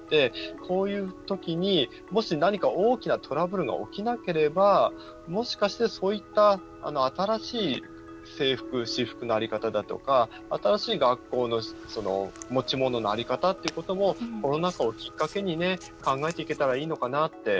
こういうときにもし何か大きなトラブルが起きなければもしかして、そういった新しい制服、私服の在り方だとか新しい学校の持ち物の在り方っていうこともコロナ禍をきっかけに考えていけたらいいのかなって。